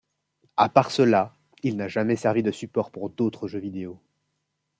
À part cela, il n'a jamais servi de support pour d'autres jeux vidéo.